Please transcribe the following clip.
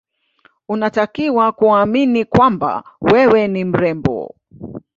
Unatakiwa kuamini kwamba wewe ni mrembo